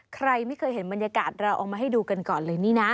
ใครไม่เคยเห็นบรรยากาศเราเอามาให้ดูกันก่อนเลยนี่นะ